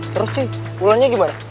terus sih wulannya gimana